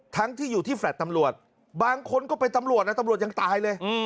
ทั้งที่อยู่ที่แฟลต์ตำรวจบางคนก็เป็นตำรวจนะตำรวจยังตายเลย